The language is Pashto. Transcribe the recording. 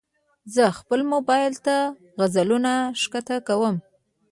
زه خپل موبایل ته غزلونه ښکته کوم.